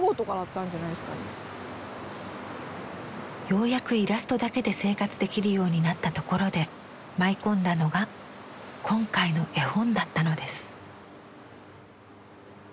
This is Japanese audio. ようやくイラストだけで生活できるようになったところで舞い込んだのが今回の絵本だったのです。